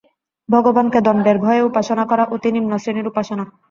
ভগবানকে দণ্ডের ভয়ে উপাসনা করা অতি নিম্নশ্রেণীর উপাসনা।